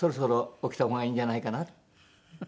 「起きた方がいいんじゃないかな」